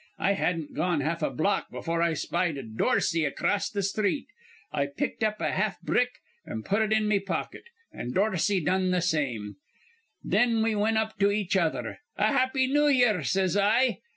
I hadn't gone half a block before I spied Dorsey acrost th' sthreet. I picked up a half a brick an' put it in me pocket, an' Dorsey done th' same. Thin we wint up to each other. 'A Happy New Year,' says I.